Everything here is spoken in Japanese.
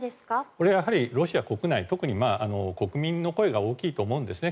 これはロシア国内特に国民の声が大きいと思うんですね